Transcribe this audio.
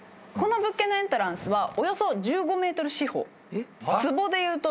この物件のエントランスはおよそ１５ｍ四方。